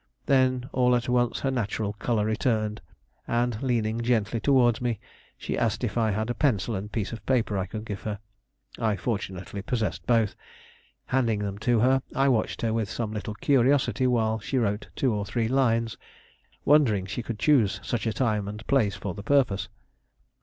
Then, all at once her natural color returned and, leaning gently toward me, she asked if I had a pencil and piece of paper I could give her. I fortunately possessed both. Handing them to her, I watched her with some little curiosity while she wrote two or three lines, wondering she could choose such a time and place for the purpose.